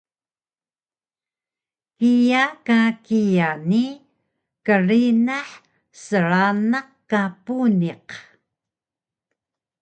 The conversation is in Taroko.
Kiya ka kiya ni krinah sranaq ka puniq